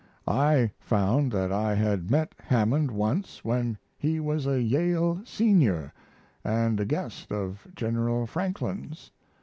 I found that I had met Hammond once when he was a Yale senior & a guest of General Franklin's.